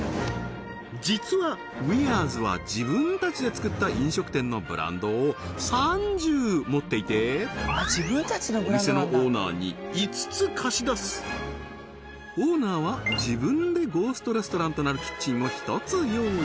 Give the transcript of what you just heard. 実はウィアーズは自分たちで作った飲食店のブランドを３０持っていてお店のオーナーに５つ貸し出すオーナーは自分でゴーストレストランとなるキッチンを１つ用意